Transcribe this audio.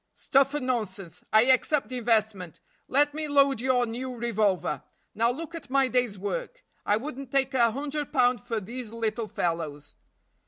"Stuff and nonsense I accept the investment. Let me load your new revolver. Now look at my day's work. I wouldn't take a hundred pound for these little fellows."